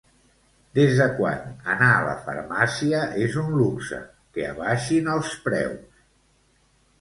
Desde quan anar a la farmàcia és un luxe, que abaixin els preus